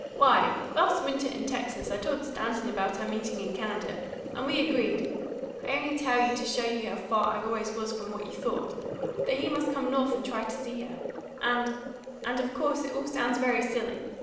Why, last winter in Texas, I told Stanton about our meeting in Canada, and we agreed I only tell you to show you how far I always was from what you thought that he must come North and try to see her, and and of course, it all sounds very silly!